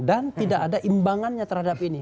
dan tidak ada imbangannya terhadap ini